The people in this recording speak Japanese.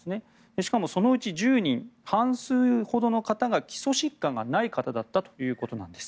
しかもそのうち１０人半数ほどの方が基礎疾患がない方だったということです。